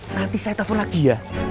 nanti saya telepon lagi ya